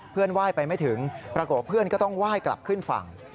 เพื่อนว่ายไปไม่ถึงปรากฏว่าเพื่อนก็ต้องว่ายกลับขึ้นฝั่ง